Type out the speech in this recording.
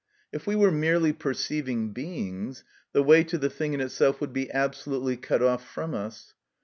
If we were merely perceiving beings, the way to the thing in itself would be absolutely cut off from us.